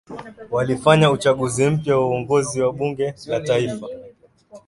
walifanya uchaguzi mpya wa uongozi wa bunge la taifa